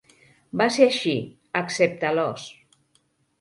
Va ser així... excepte l'os.